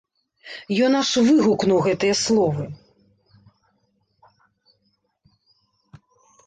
Ён аж выгукнуў гэтыя словы.